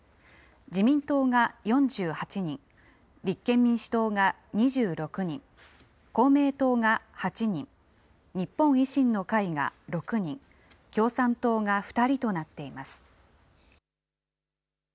自民党が４８人、立憲民主党が２６人、公明党が８人、日本維新の会が６人、共産党が２人となっています。